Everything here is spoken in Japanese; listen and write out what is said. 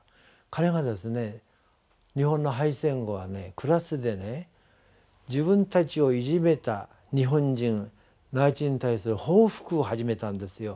彼がですね日本の敗戦後はクラスでね自分たちをいじめた日本人内地人に対する報復を始めたんですよ